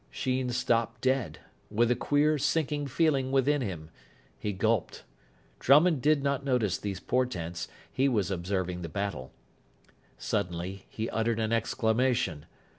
Sheen stopped dead, with a queer, sinking feeling within him. He gulped. Drummond did not notice these portents. He was observing the battle. Suddenly he uttered an exclamation.